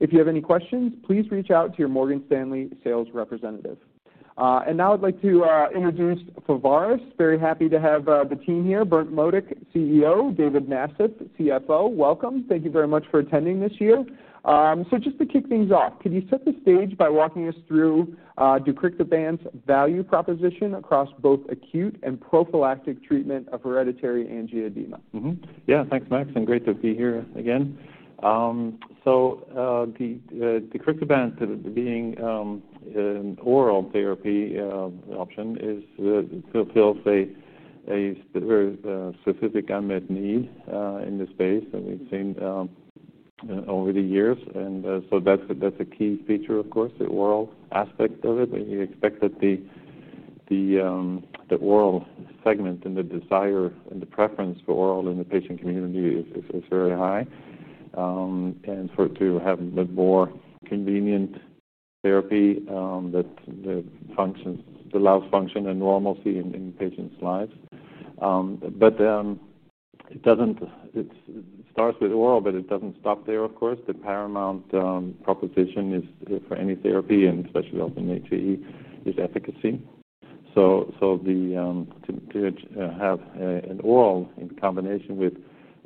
If you have any questions, please reach out to your Morgan Stanley sales representative. I'd like to introduce Pharvaris. Very happy to have the team here: Berndt A. Modig, CEO, David Nasip, CFO. Welcome. Thank you very much for attending this year. To kick things off, could you set the stage by walking us through deucrictibant's value proposition across both acute and prophylactic treatment of hereditary angioedema? Yeah, thanks, Max. Great to be here again. So, deucrictibant, being an oral therapy option, fills a very specific unmet need in the space. We've seen over the years, and that's a key feature, of course, the oral aspect of it. You expect that the oral segment and the desire and the preference for oral in the patient community is very high, and to have a bit more convenient therapy that allows function and normalcy in patients' lives. It starts with oral, but it doesn't stop there, of course. The paramount proposition for any therapy, and especially in HAE, is efficacy. To have an oral in combination with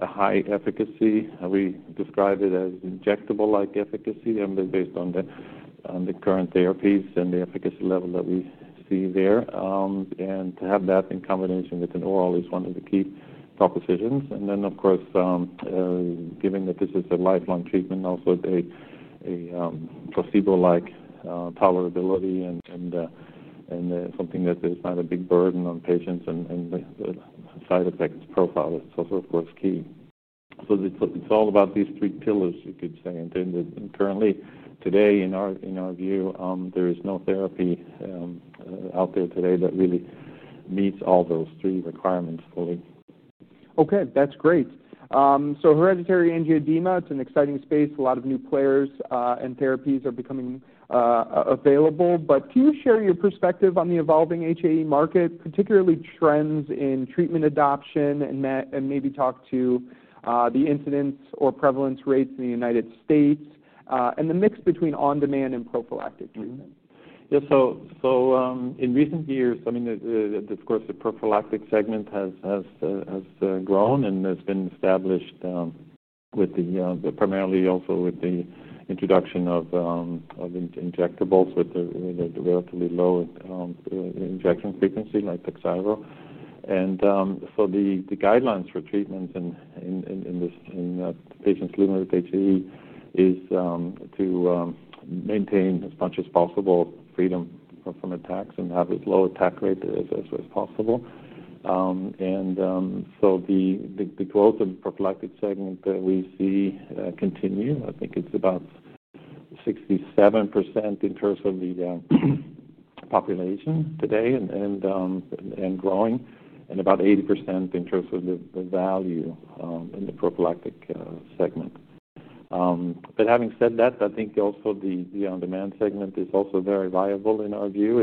a high efficacy, we describe it as injectable-like efficacy and based on the current therapies and the efficacy level that we see there. To have that in combination with an oral is one of the key propositions. Of course, given that this is a lifelong treatment, also a placebo-like tolerability and something that is not a big burden on patients and the side effects profile is also, of course, key. It's all about these three pillars, you could say. Currently, today, in our view, there is no therapy out there today that really meets all those three requirements fully. Okay, that's great. Hereditary angioedema, it's an exciting space. A lot of new players and therapies are becoming available. Can you share your perspective on the evolving HAE market, particularly trends in treatment adoption, and maybe talk to the incidence or prevalence rates in the U.S. and the mix between on-demand and prophylactic treatment? Yeah, so in recent years, I mean, of course, the prophylactic segment has grown and has been established primarily also with the introduction of injectables with a relatively low injection frequency like Orladeyo. The guidelines for treatment in this patient's, in HAE, is to maintain as much as possible freedom from attacks and have as low attack rate as possible. The growth in the prophylactic segment that we see continues. I think it's about 67% in terms of the population today and growing, and about 80% in terms of the value in the prophylactic segment. Having said that, I think also the on-demand segment is also very viable in our view.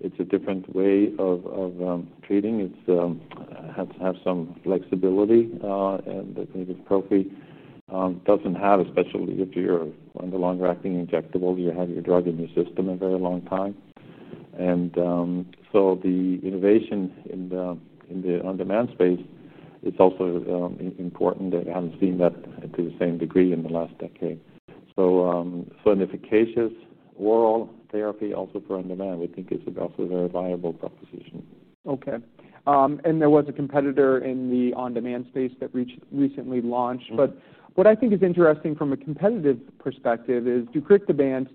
It's a different way of treating. It has to have some flexibility that the prophylactic doesn't have, especially if you're on the longer-acting injectable, you have your drug in your system a very long time. The innovation in the on-demand space, it's also important that we haven't seen that to the same degree in the last decade. An efficacious oral therapy also for on-demand, we think is also a very viable proposition. Okay. There was a competitor in the on-demand space that recently launched. What I think is interesting from a competitive perspective is deucrictibant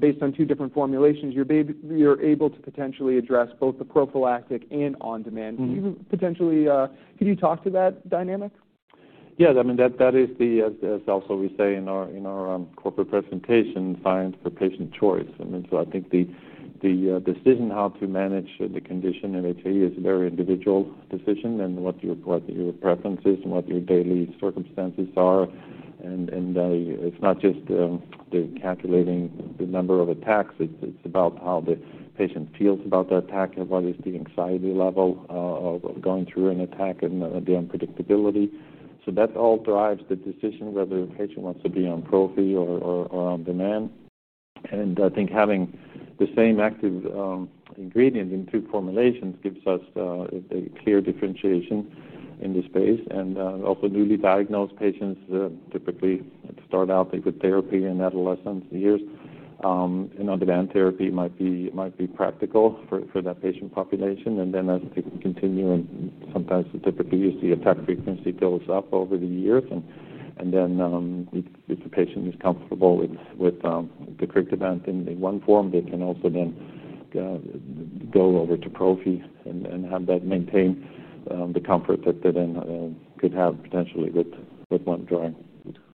based on two different formulations. You're able to potentially address both the prophylactic and on-demand. Can you potentially, could you talk to that dynamic? Yeah, I mean, that is the, as also we say in our corporate presentation, science for patient choice. I mean, I think the decision how to manage the condition in hereditary angioedema (HAE) is a very individual decision and what your preference is and what your daily circumstances are. It's not just calculating the number of attacks. It's about how the patient feels about the attack and what is the anxiety level of going through an attack and the unpredictability. That all drives the decision whether the patient wants to be on prophylactic or on-demand. I think having the same active ingredient in two formulations gives us a clear differentiation in the space. Also, newly diagnosed patients typically start out with therapy in adolescent years. An on-demand therapy might be practical for that patient population. As they continue and sometimes typically you see attack frequency goes up over the years. If the patient is comfortable with deucrictibant in one form, they can also then go over to prophylactic and have that maintain the comfort that they then could have potentially with one drug.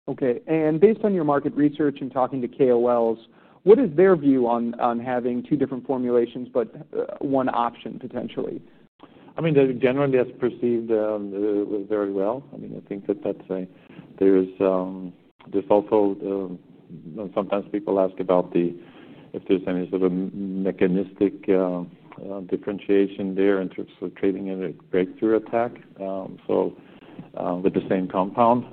Okay. Based on your market research and talking to KOLs, what is their view on having two different formulations but one option potentially? I mean, they generally have perceived very well. I think that that's a default code. Sometimes people ask about if there's any sort of mechanistic differentiation there in terms of treating a breakthrough attack with the same compound.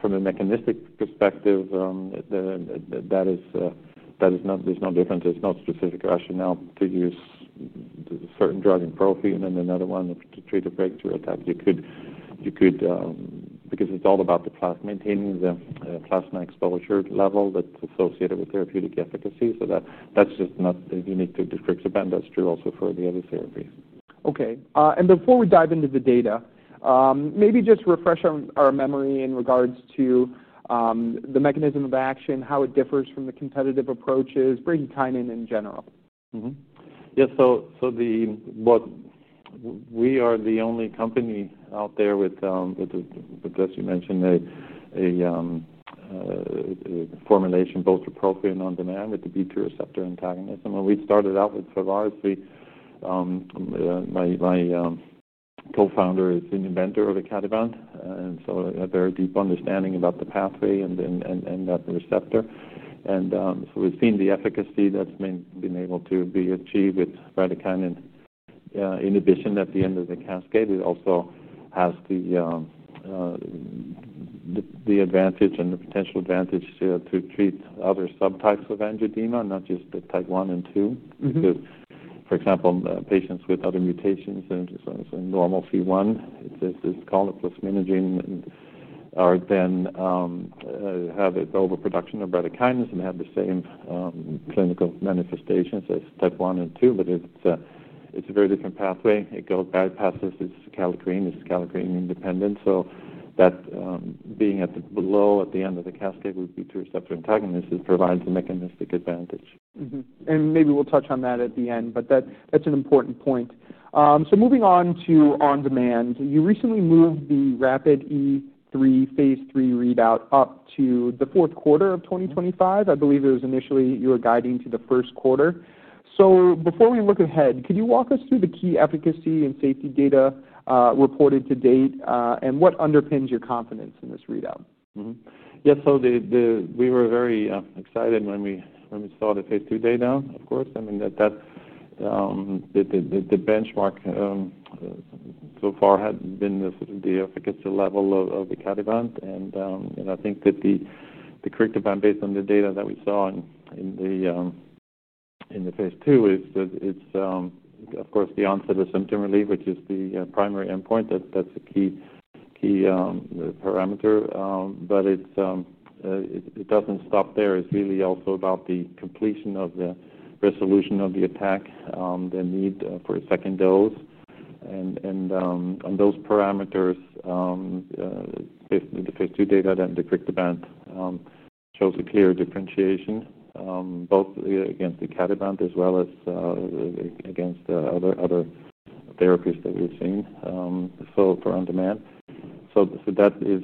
From a mechanistic perspective, there is not, there's no difference. There's no specific rationale to use a certain drug in prophylactic and then another one to treat a breakthrough attack. You could, because it's all about maintaining the plasma exposure level that's associated with therapeutic efficacy. That's just not unique to deucrictibant. That's true also for the other therapies. Okay. Before we dive into the data, maybe just refresh our memory in regards to the mechanism of action, how it differs from the competitive approaches, bradykinin in general. Yeah, we are the only company out there with, as you mentioned, a formulation both for prophylactic and on-demand with the bradykinin B2 receptor antagonist. When we started out with Pharvaris, my co-founder is an inventor of the deucrictibant. We have a very deep understanding about the pathway and that receptor. We've seen the efficacy that's been able to be achieved with radical inhibition at the end of the cascade. It also has the advantage and the potential advantage to treat other subtypes of angioedema, not just the type 1 and 2. For example, patients with other mutations and so on, so normal C1, it's called a plasminogen, and then have the overproduction of radicals and have the same clinical manifestations as type 1 and 2, but it's a very different pathway. It bypasses this kallikrein. It's kallikrein independent. That being at the end of the cascade with bradykinin B2 receptor antagonist provides a mechanistic advantage. That's an important point. Moving on to on-demand, you recently moved the RAPIDe-3 Phase 3 readout up to the fourth quarter of 2025. I believe it was initially you were guiding to the first quarter. Before we look ahead, could you walk us through the key efficacy and safety data reported to date and what underpins your confidence in this readout? Yeah, we were very excited when we saw the Phase 2 data, of course. I mean, the benchmark so far had been the efficacy level of berotralstat. I think that deucrictibant, based on the data that we saw in the Phase 2, is, of course, the onset of symptom relief, which is the primary endpoint. That's a key parameter. It doesn't stop there. It's really also about the completion of the resolution of the attack, the need for a second dose. On those parameters, the Phase 2 data and deucrictibant show a clear differentiation both against berotralstat as well as against the other therapies that we've seen for on-demand. That is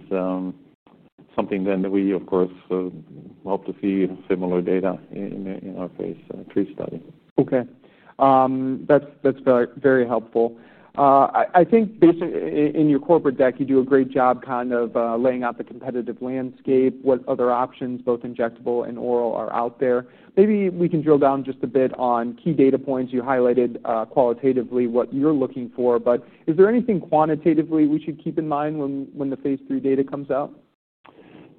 something that we, of course, hope to see similar data in our Phase 3 study. Okay. That's very helpful. I think basically in your corporate deck, you do a great job kind of laying out the competitive landscape, what other options, both injectable and oral, are out there. Maybe we can drill down just a bit on key data points. You highlighted qualitatively what you're looking for, but is there anything quantitatively we should keep in mind when the Phase 3 data comes out?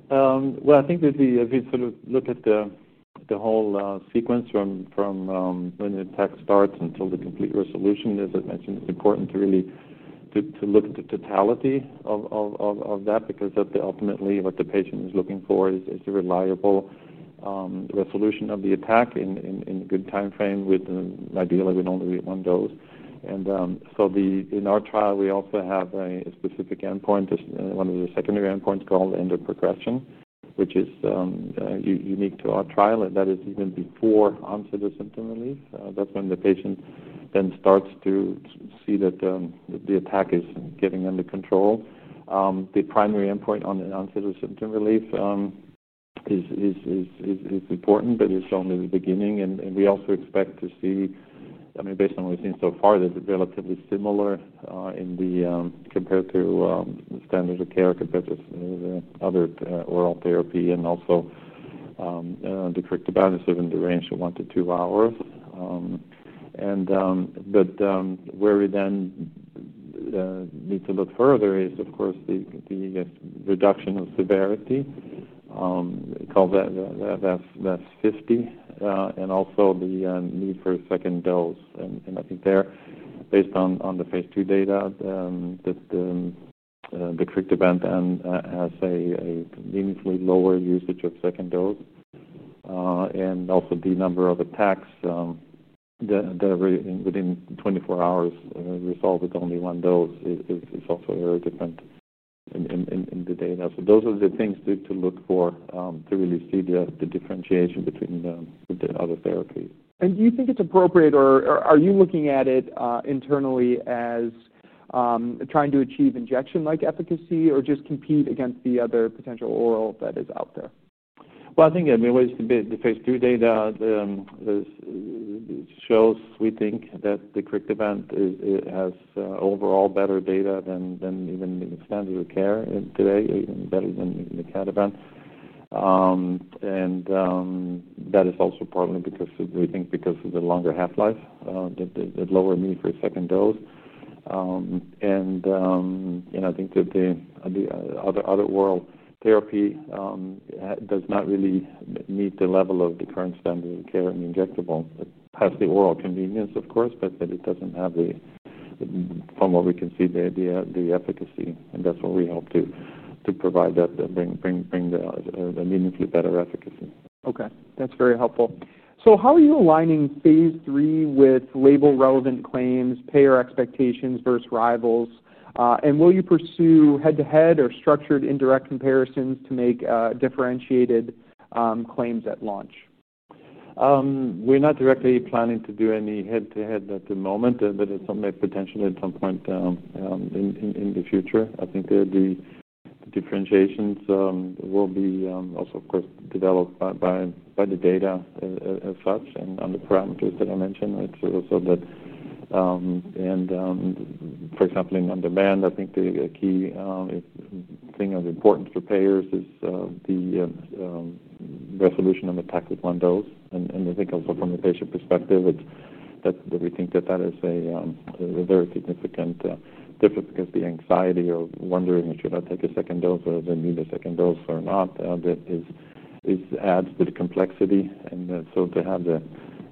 If you sort of look at the whole sequence from when the attack starts until the complete resolution, as I mentioned, it's important to really look at the totality of that because ultimately what the patient is looking for is a reliable resolution of the attack in a good timeframe, ideally with only one dose. In our trial, we also have a specific endpoint, one of the secondary endpoints called end of progression, which is unique to our trial, and that is even before onset of symptom relief. That's when the patient then starts to see that the attack is getting under control. The primary endpoint on the onset of symptom relief is important, but it's only the beginning. We also expect to see, based on what we've seen so far, that it's relatively similar compared to standards of care, compared to the other oral therapy. Also, the deucrictibant is within the range of one to two hours. Where we then need to look further is, of course, the reduction of severity called FF50, and also the need for a second dose. I think there, based on the Phase 2 data, the deucrictibant has a meaningfully lower usage of second dose. Also, the number of attacks within 24 hours resolved with only one dose is also very different in the data. Those are the things to look for to really see the differentiation between the other therapies. Do you think it's appropriate, or are you looking at it internally as trying to achieve injection-like efficacy or just compete against the other potential oral that is out there? I think the Phase 2 data shows, we think, that the deucrictibant has overall better data than even the standard of care today, better than the berotralstat. That is also partly because we think because of the longer half-life, the lower need for a second dose. I think that the other oral therapy does not really meet the level of the current standard of care in injectable. It has the oral convenience, of course, but it doesn't have the, from what we can see, the efficacy. That's what we hope to provide that bring a meaningfully better efficacy. Okay. That's very helpful. How are you aligning Phase 3 with label-relevant claims, payer expectations versus rivals? Will you pursue head-to-head or structured indirect comparison to make a differentiated claim at launch? We're not directly planning to do any head-to-head at the moment, but it's something potentially at some point in the future. I think the differentiations will be also, of course, developed by the data as such and on the parameters that I mentioned. For example, in on-demand, I think the key thing of importance for payers is the resolution of attack with one dose. I think also from the patient perspective, that we think that that is a very significant difference because the anxiety of wondering if you're going to take a second dose or if they need a second dose or not, that adds to the complexity. To have the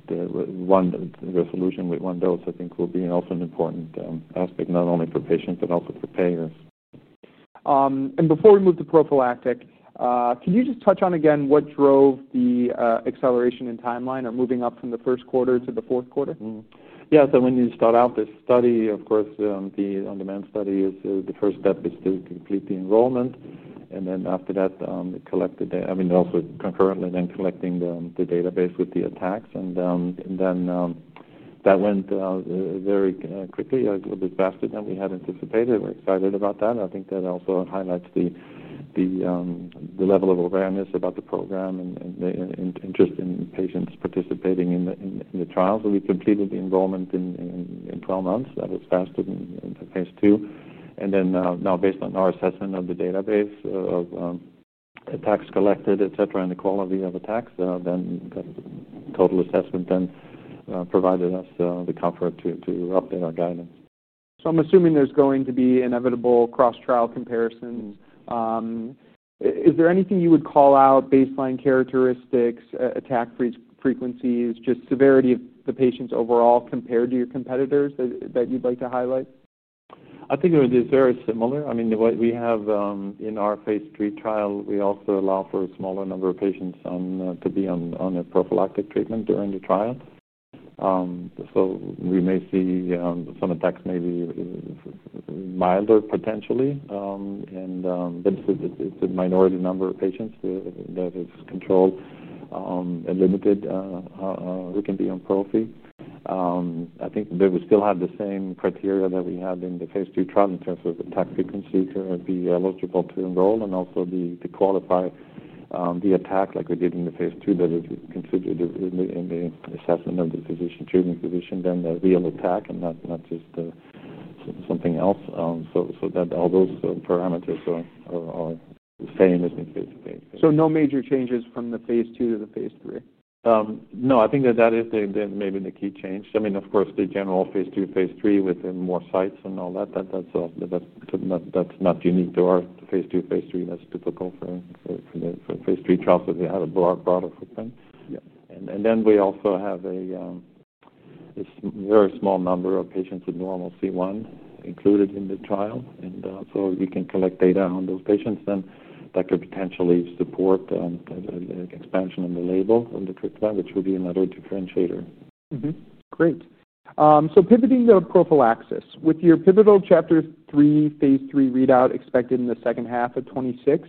one resolution with one dose, I think, will be also an important aspect not only for patients but also for payers. Before we move to prophylactic, can you just touch on again what drove the acceleration in timeline of moving up from the first quarter to the fourth quarter? Yeah, when you start out the study, of course, the on-demand study, the first step is to complete the enrollment. After that, also concurrently collecting the database with the attacks. That went very quickly, a little bit faster than we had anticipated. We're excited about that. I think that also highlights the level of awareness about the program and the interest in patients participating in the trial. We completed the enrollment in 12 months. That was faster than the Phase 2. Now, based on our assessment of the database of attacks collected, etc., and the quality of attacks, the total assessment then provided us the comfort to update our guidance. I'm assuming there's going to be inevitable cross-trial comparison. Is there anything you would call out, baseline characteristics, attack frequencies, just severity of the patients overall compared to your competitors that you'd like to highlight? I think it would be very similar. I mean, what we have in our Phase 3 trial, we also allow for a smaller number of patients to be on a prophylactic treatment during the trial. We may see some attacks may be milder potentially. It's a minority number of patients that have controlled and limited who can be on prophylactic. I think that we still have the same criteria that we had in the Phase 2 trial in terms of attack frequency to be eligible to enroll and also to qualify the attack like we did in the Phase 2, but it contributed in the assessment of the treating physician, then the real attack and not just something else. All those parameters are the same as in Phase 3. No major changes from the Phase 2 to the Phase 3? No, I think that that is maybe the key change. I mean, of course, the general Phase 2, Phase 3 with more sites and all that, that's not unique to our Phase 2, Phase 3. That's typical for Phase 3 trials because they have a broader footprint. We also have a very small number of patients with normal C1 included in the trial, so you can collect data on those patients, and that could potentially support the expansion on the label of deucrictibant, which would be another differentiator. Great. Pivoting to prophylaxis, with your pivotal CHAPTER-3 Phase 3 readout expected in the second half of 2026,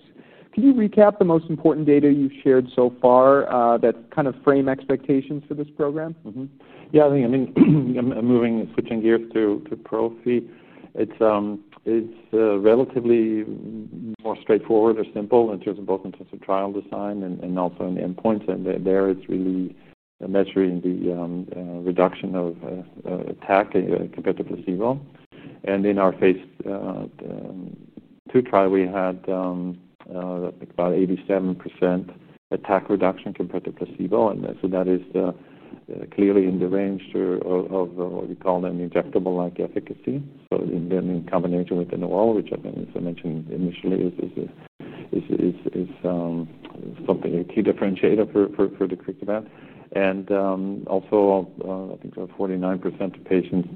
could you recap the most important data you've shared so far that kind of frame expectations for this program? I think, moving, switching gears to prophylactic, it's relatively more straightforward or simple in terms of both in terms of trial design and also in the endpoints. There, it's really measuring the reduction of attack compared to placebo. In our Phase 2 trial, we had about 87% attack reduction compared to placebo. That is clearly in the range of what we call an injectable-like efficacy. In combination with an oral, which I think, as I mentioned initially, is something a key differentiator for deucrictibant. Also, I think 49% of patients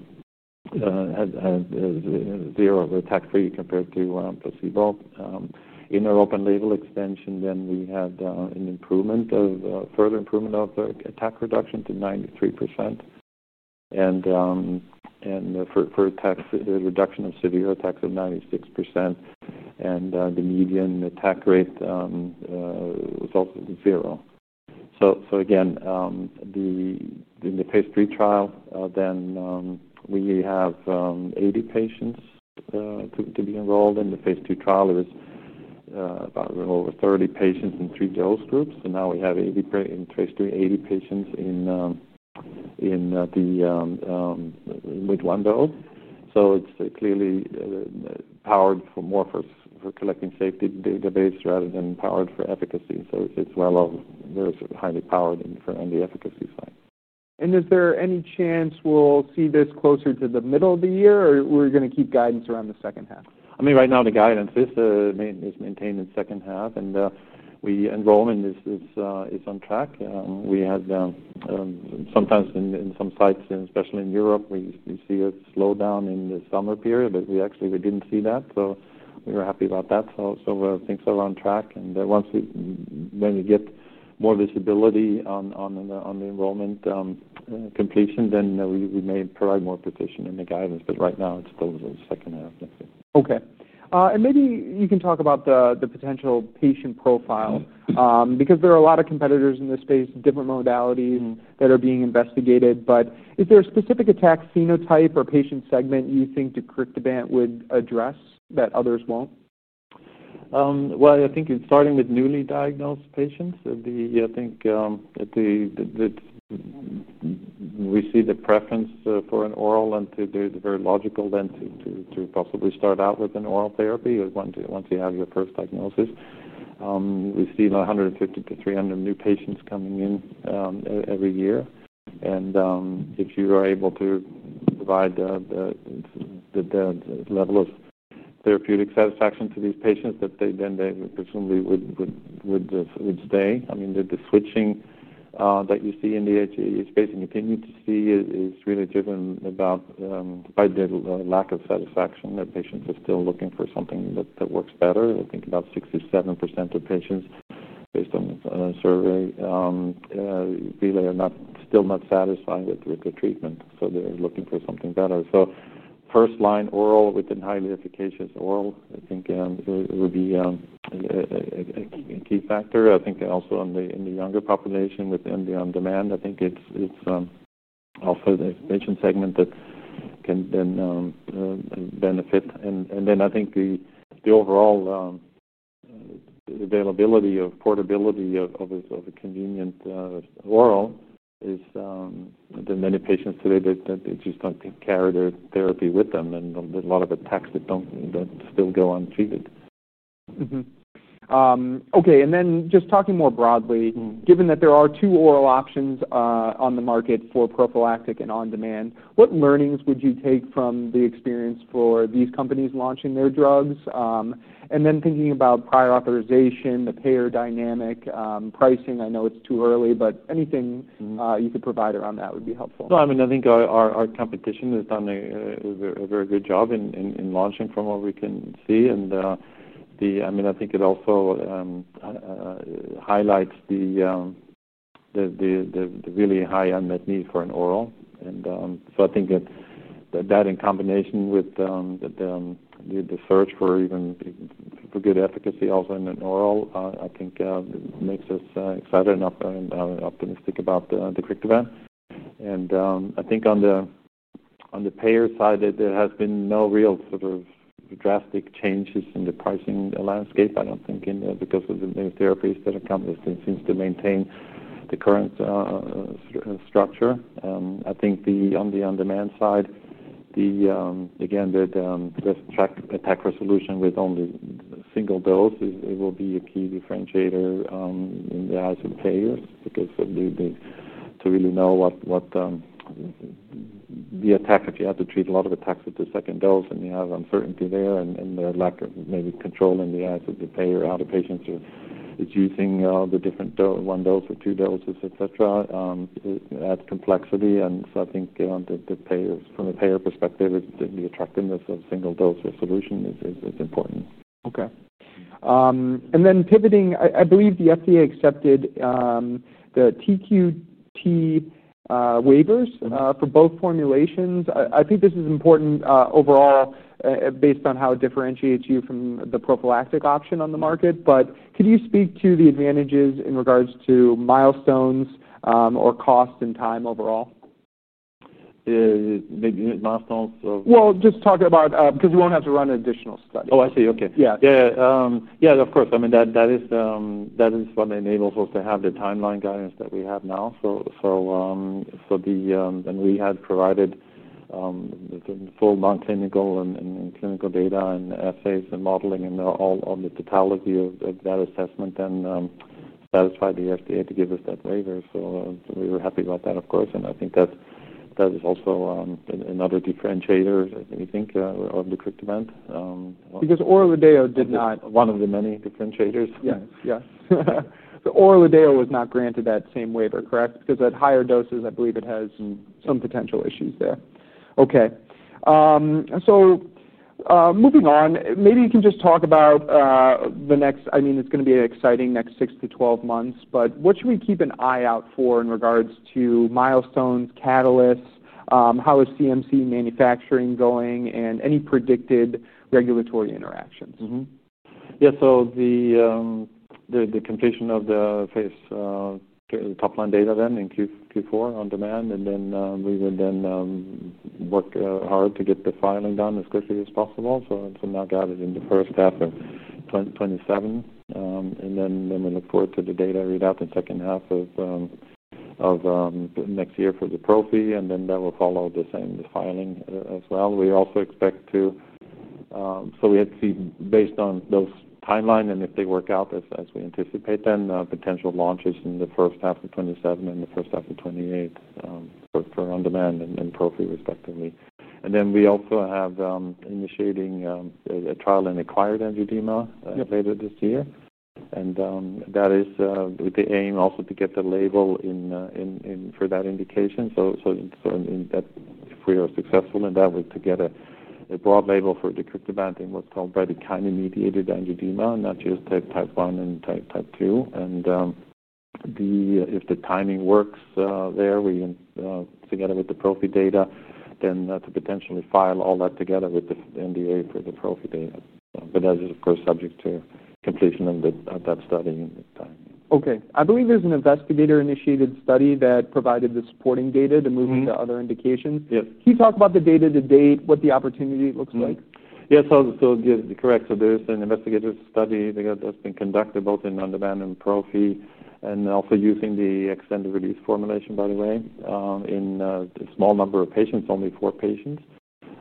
had zero attack rate compared to placebo. In our open-label extension, we had a further improvement of attack reduction to 93% and for reduction of severe attacks of 96%. The median attack rate was also to zero. Again, in the Phase 3 trial, we have 80 patients to be enrolled. In the Phase 2 trial, it was about over 30 patients in three dose groups. Now we have 80 in Phase 3, 80 patients with one dose. It's clearly powered more for collecting safety database rather than powered for efficacy. It's very highly powered on the efficacy side. Is there any chance we'll see this closer to the middle of the year, or are we going to keep guidance around the second half? Right now, the guidance is maintained in the second half, and the enrollment is on track. We had sometimes in some sites, especially in Europe, we see a slowdown in the summer period, but we actually didn't see that. We were happy about that. Things are on track. Once we get more visibility on the enrollment completion, we may provide more precision in the guidance. Right now, it's still the second half of it. Okay. Maybe you can talk about the potential patient profile because there are a lot of competitors in this space, different modalities that are being investigated. Is there a specific attack phenotype or patient segment you think deucrictibant would address that others won't? I think it's starting with newly diagnosed patients. I think we see the preference for an oral, and it's very logical then to possibly start out with an oral therapy once you have your first diagnosis. We see 150 to 300 new patients coming in every year. If you are able to provide the level of therapeutic satisfaction to these patients, then they presumably would stay. The switching that you see in the HAE space and continue to see is really driven by the lack of satisfaction that patients are still looking for something that works better. I think about 67% of patients, based on a survey, feel they are still not satisfied with the treatment. They're looking for something better. First-line oral with a highly efficacious oral, I think, would be a key factor. I think also in the younger population within the on-demand, it's also the patient segment that can then benefit. I think the overall availability of portability of a convenient oral is that many patients today just don't take care of their therapy with them. A lot of attacks that don't still go untreated. Okay. Talking more broadly, given that there are two oral options on the market for prophylactic and on-demand, what learnings would you take from the experience for these companies launching their drugs? Thinking about prior authorization, the payer dynamic, pricing, I know it's too early, but anything you could provide around that would be helpful. No, I mean, I think our competition has done a very good job in launching from what we can see. I think it also highlights the really high unmet need for an oral. I think that in combination with the search for even for good efficacy also in an oral, I think makes us excited and optimistic about the deucrictibant. I think on the payer side, there has been no real sort of drastic changes in the pricing landscape. I don't think in there because with the new therapies, different companies seem to maintain the current structure. I think on the on-demand side, again, the best track attack resolution with only a single dose, it will be a key differentiator in the eyes of the payers because to really know what the attacks that you have to treat, a lot of attacks with the second dose, and you have uncertainty there and the lack of maybe control in the eyes of the payer out of patients who are using the different one dose or two doses, etc., adds complexity. I think from the payer perspective, the attractiveness of single dose resolution is important. Okay. Pivoting, I believe the FDA accepted the TQT waivers for both formulations. I think this is important overall based on how it differentiates you from the prophylactic option on the market. Could you speak to the advantages in regards to milestones or cost and time overall? The milestones of? Just talk about because we won't have to run an additional study. Oh, I see. Okay. Yeah. Yeah, yeah. Yeah, of course. I mean, that is what enables us to have the timeline guidance that we have now. We had provided the full non-clinical and clinical data and assays and modeling and all of the totality of that assessment. That is why the FDA gave us that waiver. We were happy about that, of course. I think that is also another differentiator that we think of the deucrictibant. Because Orladeyo did not. One of the many differentiators. Yeah, yeah. Orladeyo was not granted that same waiver, correct? Because at higher doses, I believe it has some potential issues there. Okay. Moving on, maybe you can just talk about the next, I mean, it's going to be an exciting next 6 to 12 months, but what should we keep an eye out for in regards to milestones, catalysts, how is CMC manufacturing going, and any predicted regulatory interactions? Yeah, so the completion of the Phase 3 top line data then in Q4 on-demand, and then we would then work hard to get the filing done as quickly as possible. I'm now gathered in the first half of 2027, and we look forward to the data readout in the second half of next year for the prophylactic. That will follow the same filing as well. We also expect to, so we have to see based on those timelines and if they work out as we anticipate, then potential launches in the first half of 2027 and the first half of 2028, both for on-demand and prophylactic respectively. We also have initiating a trial in acquired angioedema later this year, and that is with the aim also to get the label in for that indication. If we are successful in that, we're to get a broad label for deucrictibant in what's called bradykinin-mediated angioedema, not just type 1 and type 2. If the timing works there, we together with the prophylactic data, then to potentially file all that together with the NDA for the prophylactic data. That is, of course, subject to completion of that study in time. Okay. I believe there's an investigator-initiated study that provided the supporting data to move into other indications. Can you talk about the data to date, what the opportunity looks like? Yeah, correct. There's an investigator-initiated study that's been conducted both in on-demand and prophylactic, and also using the extended-release formulation, by the way, in a small number of patients, only four patients.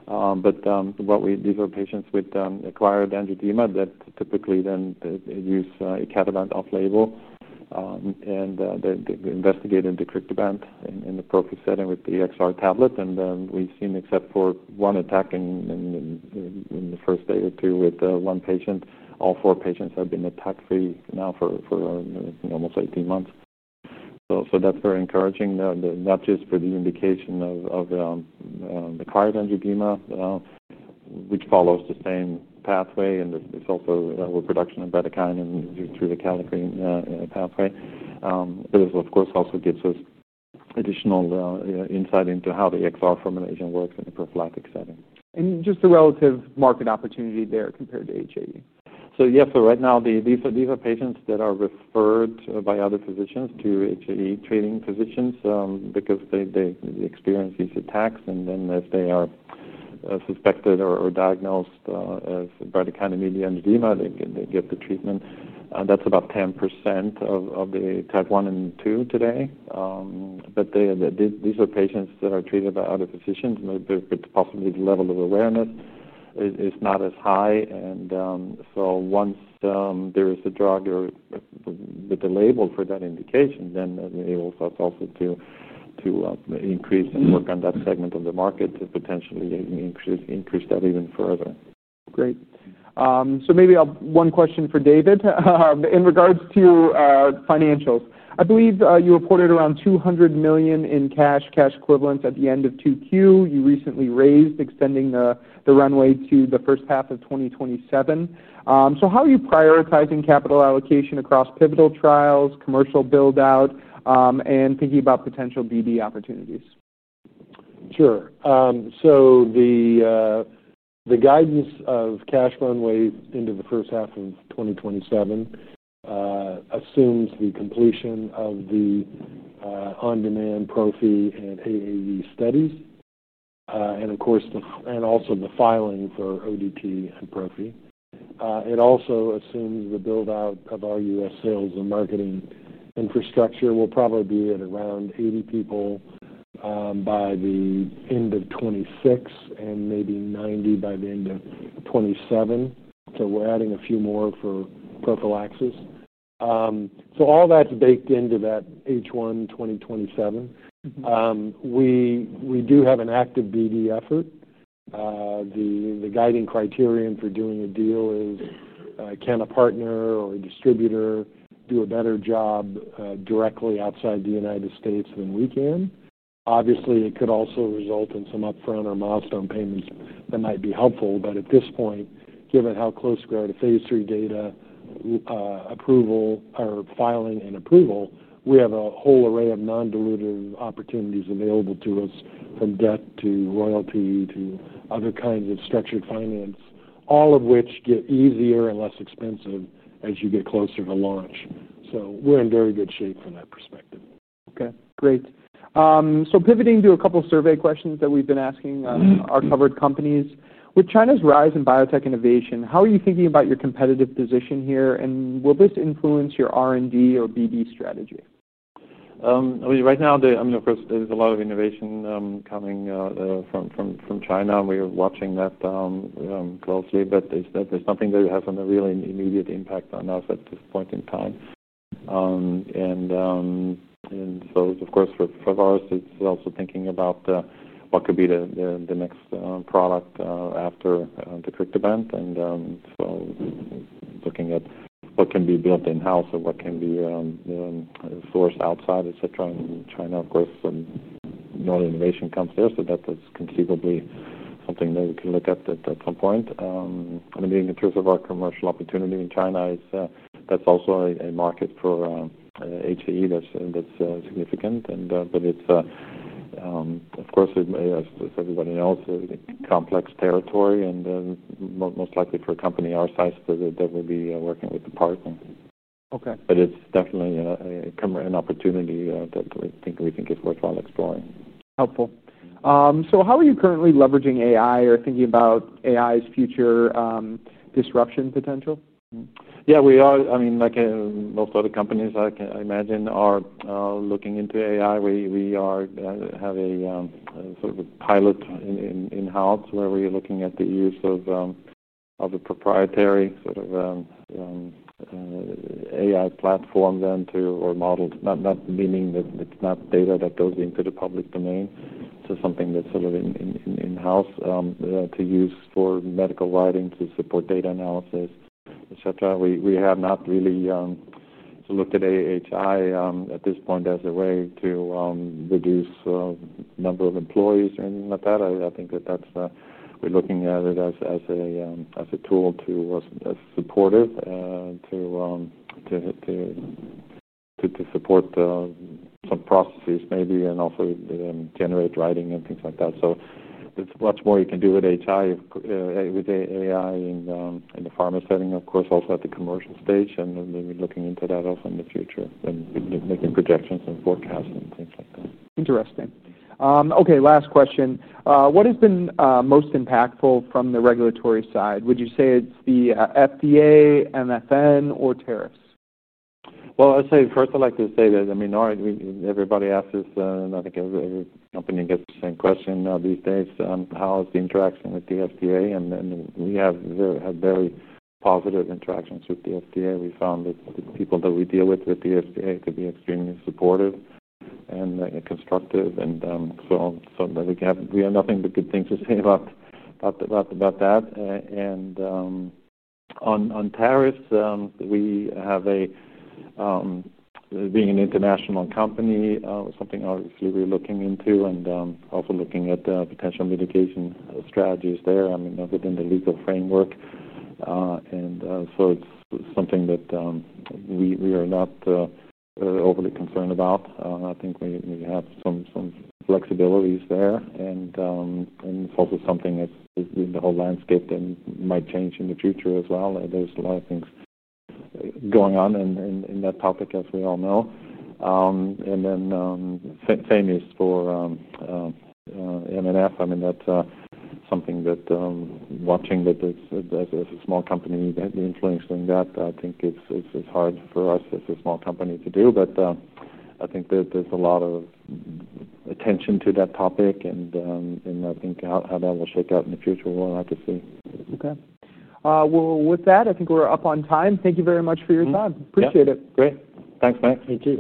These are patients with acquired angioedema that typically then use a C1-inhibitor off-label. They're investigated in deucrictibant in the prophylactic setting with the XR tablet. We've seen, except for one attack in the first day or two with one patient, all four patients have been attack-free now for almost 18 months. That's very encouraging, not just for the indication of acquired angioedema, which follows the same pathway. It's also a reproduction of bradykinin-mediated through the kallikrein pathway. It is, of course, also gives us additional insight into how the XR formulation works in the prophylactic setting. What is the relative market opportunity there compared to HAE? For right now, these are patients that are referred by other physicians to HAE treating physicians because they experience these attacks. If they are suspected or diagnosed as bradykinin-mediated angioedema, they get the treatment. That's about 10% of the type 1 and 2 today. These are patients that are treated by other physicians, and possibly, the level of awareness is not as high. Once there is a drug or with a label for that indication, it enables us also to increase and work on that segment of the market to potentially increase that even further. Great. Maybe I'll ask one question for David in regards to financials. I believe you reported around $200 million in cash, cash equivalents, at the end of 2Q. You recently raised, extending the runway to the first half of 2027. How are you prioritizing capital allocation across pivotal trials, commercial buildout, and thinking about potential BD opportunities? Sure. The guidance of cash runway into the first half of 2027 assumes the completion of the on-demand, prophylactic, and AAE studies, and also the filing for ODT and prophylactic. It also assumes the buildout of our U.S. sales and marketing infrastructure will probably be at around 80 people by the end of 2026 and maybe 90 by the end of 2027. We're adding a few more for prophylaxis. All that's baked into that H1 2027. We do have an active BD effort. The guiding criterion for doing a deal is, can a partner or a distributor do a better job directly outside the U.S. than we can? Obviously, it could also result in some upfront or milestone payments that might be helpful. At this point, given how close we are to Phase 3 data, approval or filing and approval, we have a whole array of non-dilutive opportunities available to us from debt to royalty to other kinds of structured finance, all of which get easier and less expensive as you get closer to launch. We're in very good shape from that perspective. Great. Pivoting to a couple of survey questions that we've been asking on our covered companies. With China's rise in biotech innovation, how are you thinking about your competitive position here? Will this influence your R&D or BD strategy? Right now, of course, there's a lot of innovation coming from China. We're watching that closely, but there's nothing that has a really immediate impact on us at this point in time. For Pharvaris, it's also thinking about what could be the next product after deucrictibant. Looking at what can be built in-house or what can be sourced outside, etc. China, of course, and all the innovation comes there. That is conceivably something that you can look at at some point. In terms of our commercial opportunity in China, that's also a market for HAE that's significant. It's, of course, as everybody knows, a complex territory. Most likely for a company our size, they would be working with a partner. It's definitely an opportunity that we think is worthwhile exploring. How are you currently leveraging AI or thinking about AI's future disruption potential? Yeah, we are. I mean, like most other companies, I imagine, are looking into AI. We have a sort of pilot in-house where we're looking at the use of a proprietary sort of AI platform or model, not meaning that it's not data that goes into the public domain. Something that's sort of in-house to use for medical writing to support data analysis, etc. We have not really looked at AI at this point as a way to reduce the number of employees or anything like that. I think that we're looking at it as a tool to support it, to support some processes maybe, and also generate writing and things like that. There's lots more you can do with AI in the pharma setting, of course, also at the commercial stage. We're looking into that also in the future and making projections and forecasts and things like that. Interesting. Okay, last question. What has been most impactful from the regulatory side? Would you say it's the FDA, MFN, or tariffs? I'd like to say that, I mean, everybody asks this, and I think every company gets the same question these days. How is the interaction with the FDA? We have very positive interactions with the FDA. We found the people that we deal with at the FDA to be extremely supportive and constructive. We have nothing but good things to say about that. On tariffs, being an international company, that's something we're obviously looking into and also looking at potential mitigation strategies there within the legal framework. It's something that we are not overly concerned about. I think we have some flexibilities there. It's also something that the whole landscape might change in the future as well. There are a lot of things going on in that topic, as we all know. The same is for M&F. That's something that, watching that as a small company, the influence doing that, I think it's hard for us as a small company to do. I think that there's a lot of attention to that topic. How that will shake out in the future, we'll have to see. Thank you very much for your time. Appreciate it. Great. Thanks, Max. You too.